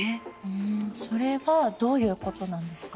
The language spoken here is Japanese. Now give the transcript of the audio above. それはどういうことなんですか？